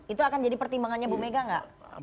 itu akan jadi pertimbangannya bu mega nggak